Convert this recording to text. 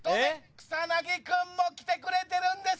草薙君も来てくれてるんです。